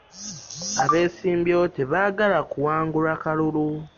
Abesimbyewo tebaagala kuwangulwa kalulu.